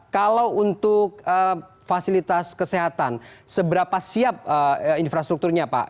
kalau untuk fasilitas kesehatan seberapa siap infrastrukturnya pak